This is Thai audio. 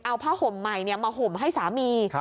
เอาผ้าห่มใหม่มาห่มให้สามี